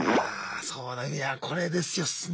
そうだいやこれですよ。ね。